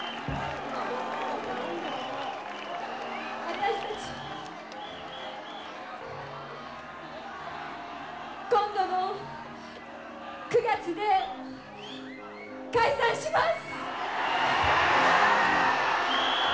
私たち今度の９月で解散します。